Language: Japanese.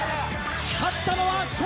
勝ったのは笑